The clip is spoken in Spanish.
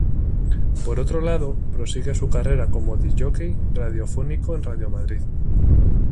Por otro lado, prosigue su carrera como Disc jockey radiofónico en Radio Madrid.